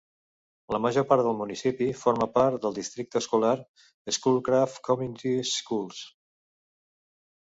La major part del municipi forma part del districte escolar "Schoolcraft Community Schools".